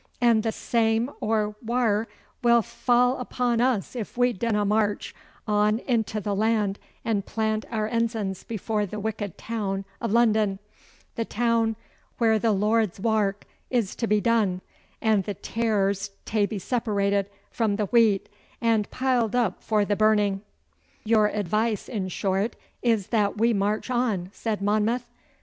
And the same or waur will fa' upon us if we dinna march on intae the land and plant our ensigns afore the wicked toun o' London the toun where the Lord's wark is tae be done, and the tares tae be separated frae the wheat, and piled up for the burning.' 'Your advice, in short, is that we march on!' said Monmouth.